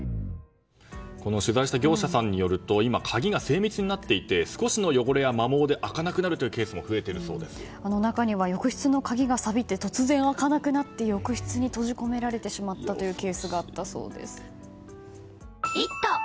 この取材した業者さんによると今、鍵が精密になっていて少しの汚れや摩耗で開かなくなるというケースも中には、浴室の鍵がさびて突然、開かなくなって浴室に閉じ込められてしまったというケースがあったそうです。